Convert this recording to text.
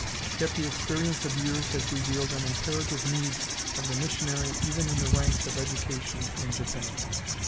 Yet the experience of years has revealed an imperative need of the missionary even in the ranks of education in Japan....